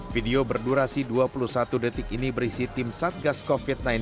video berdurasi dua puluh satu detik ini berisi tim satgas covid sembilan belas